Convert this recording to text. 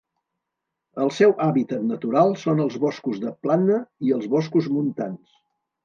El seu hàbitat natural són els boscos de plana i els boscos montans.